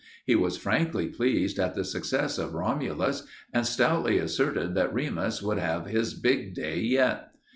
He was frankly pleased at the success of Romulus, and stoutly asserted that Remus would have his big day yet.